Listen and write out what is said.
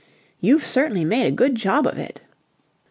"You've certainly made a good job of it!"